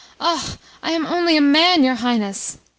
Ah, I am only a man, your Highness!"